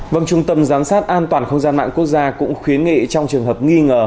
vâng trung tâm giám sát an toàn không gian mạng quốc gia cũng khuyến nghị trong trường hợp nghi ngờ